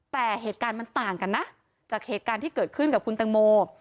แต่เหตุการณ์มันต่างกันนะจากเหตุการณ์ที่เกิดขึ้นกับคุณตังโม